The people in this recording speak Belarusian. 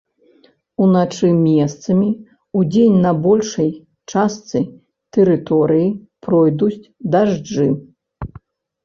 Уначы месцамі, удзень на большай частцы тэрыторыі пройдуць дажджы.